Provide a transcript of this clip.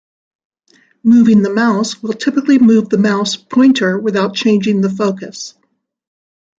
Moving the mouse will typically move the mouse pointer without changing the focus.